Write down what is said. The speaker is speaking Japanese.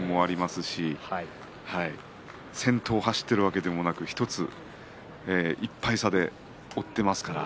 し先頭を走っているわけでもなく１敗差で追っていますからね。